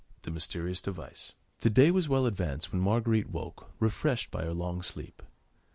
THE MYSTERIOUS DEVICE The day was well advanced when Marguerite woke, refreshed by her long sleep.